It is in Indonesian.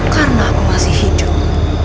karena aku masih hidup